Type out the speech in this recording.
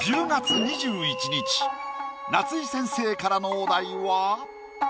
夏井先生からのお題は。